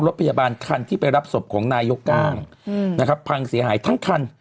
รถพยาบาลคันที่ไปรับศพของนายกกล้างนะครับพังเสียหายทั้งคัน